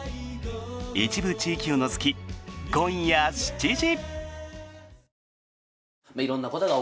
一部地域を除き、今夜７時！